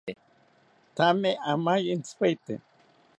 Thame amaye intzipaete